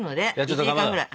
１時間ぐらい。